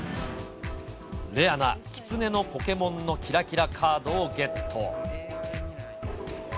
レアなきつねのポケモンのキラキラカードをゲット。